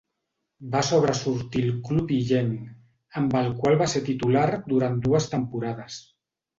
Va sobresortir al club illenc, amb el qual va ser titular durant dues temporades.